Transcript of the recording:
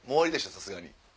さすがに。